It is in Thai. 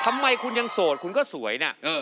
ทำไมคุณยังโสดคุณก็สวยนะ